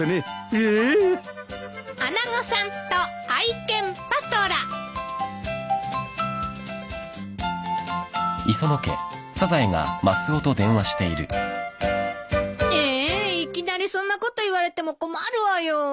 ええいきなりそんなこと言われても困るわよ。